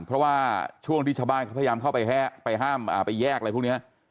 เพราะว่าช่วงที่ชาวบ้านเขาพยายามเข้าไปห้ามไปแยกอะไรพวกนี้